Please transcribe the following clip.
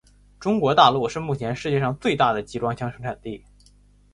中国大陆是目前世界上最大的集装箱生产地。